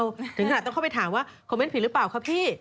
ถึงเท่าแหละต้องทำไปถามว่าคอมเมนห์ผิดหรือเปล่าคะพี่